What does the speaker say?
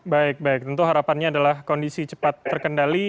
baik baik tentu harapannya adalah kondisi cepat terkendali